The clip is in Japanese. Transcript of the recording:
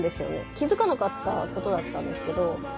気づかなかったことだったんですけど。